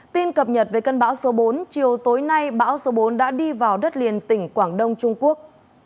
tin cập nhật về cơn bão số bốn chiều tối nay bão số bốn đã đi vào đất liền tỉnh quảng đông trung quốc